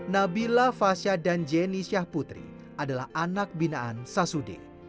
nabila fasya dan jeni syahputri adalah anak binaan sasudik